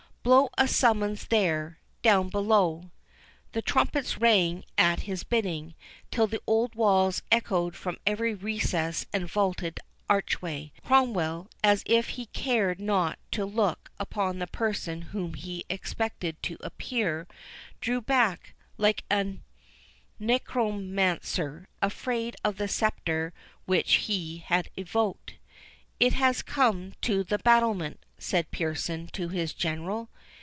—Blow a summons there, down below." The trumpets rang at his bidding, till the old walls echoed from every recess and vaulted archway. Cromwell, as if he cared not to look upon the person whom he expected to appear, drew back, like a necromancer afraid of the spectre which he has evoked. "He has come to the battlement," said Pearson to his General.